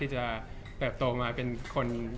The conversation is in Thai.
จากความไม่เข้าจันทร์ของผู้ใหญ่ของพ่อกับแม่